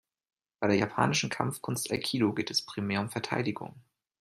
Bei der japanischen Kampfkunst Aikido geht es primär um Verteidigung.